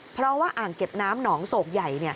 เพราะว่าอ่างเก็บน้ำหนองโศกใหญ่